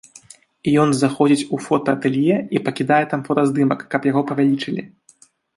Ён заходзіць у фотаатэлье і пакідае там фотаздымак, каб яго павялічылі.